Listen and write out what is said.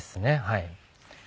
はい。